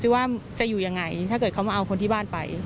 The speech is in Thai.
ว่าจะอยู่ยังไงถ้าเกิดเขามาเอาคนที่บ้านไป